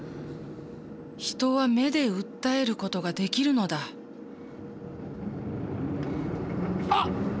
人は目で訴える事ができるのだあっ